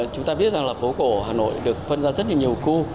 chúng ta biết rằng là phố cổ hà nội được phân ra rất nhiều khu